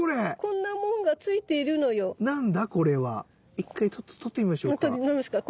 一回ちょっと撮ってみましょうか。